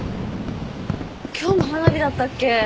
今日も花火だったっけ？